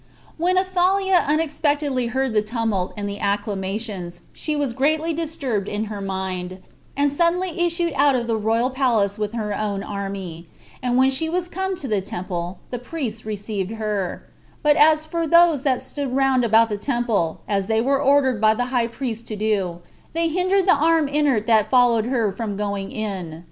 3. When Athaliah unexpectedly heard the tumult and the acclamations, she was greatly disturbed in her mind, and suddenly issued out of the royal palace with her own army; and when she was come to the temple, the priests received her; but as for those that stood round about the temple, as they were ordered by the high priest to do, they hindered the armed inert that followed her from going in.